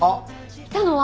いたのは？